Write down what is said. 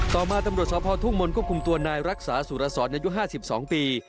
ต่อมาตำรวจศพทุ่งมนต์ก็คุมตัวนายรักษาสุรสอร์ตในยุค๕๒ปี